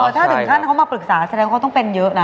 ถ้าถึงขั้นเขามาปรึกษาแสดงเขาต้องเป็นเยอะนะ